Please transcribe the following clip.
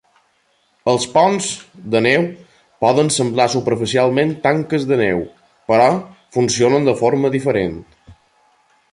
Els ponts de neu poden semblar superficialment tanques de neu, però funcionen de forma diferent.